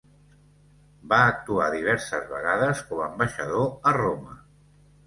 Va actuar diverses vegades com ambaixador a Roma.